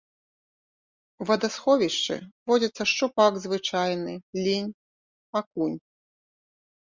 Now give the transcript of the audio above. У вадасховішчы водзяцца шчупак звычайны, лінь, акунь.